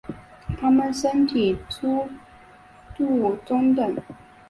它们的身体粗度中等。